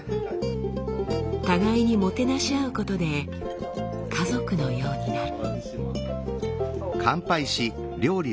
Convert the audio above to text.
互いにもてなし合うことで家族のようになる。